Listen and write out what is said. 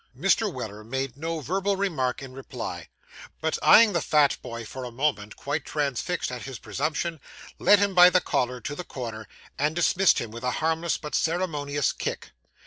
Mr. Weller made no verbal remark in reply; but eyeing the fat boy for a moment, quite transfixed at his presumption, led him by the collar to the corner, and dismissed him with a harmless but ceremonious kick.